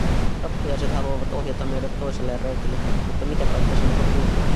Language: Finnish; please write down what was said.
Tappiaiset haluavat ohjata meidät toiselle reitille… Mutta mitä kautta se muka kulkee?